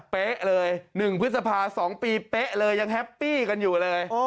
เป๊ะเลย๑พฤษภา๒ปีเป๊ะเลยยังแฮปปี้กันอยู่เลย